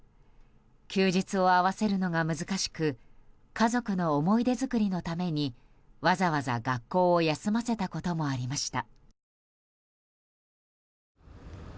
休日を合わせるのが難しく家族の思い出作りのためにわざわざ学校を休ませたこともありました。